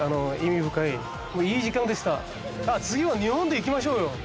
次は日本でいきましょうよ。